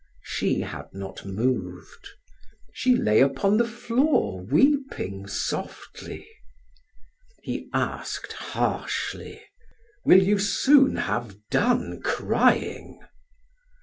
She had not moved. She lay upon the floor weeping softly. He asked harshly: "Will you soon have done crying?"